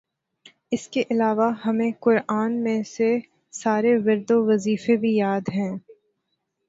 اسکے علاوہ ہمیں قرآن میں سے سارے ورد وظیفے بھی یاد ہیں